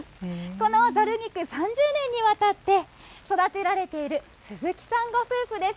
このざる菊、３０年にわたって育てられている鈴木さんご夫婦です。